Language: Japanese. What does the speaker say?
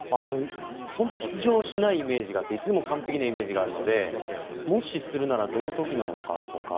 本当に緊張しないイメージがあっていつでも完璧なイメージがあるのでもし、するならどの時なのかとか。